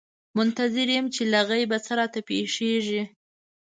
منتظر یم چې له غیبه څه راته پېښېږي.